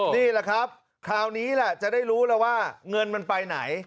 นี่แหละครับคราวนี้แหละจะได้รู้แล้วว่าเงินมันไปไหน